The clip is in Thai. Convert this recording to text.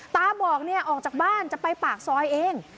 ตาบอกออกจากบ้านจะไปปากสอยเอง